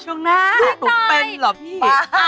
ช่วงหน้าลูกหนูเป็นเหรอพี่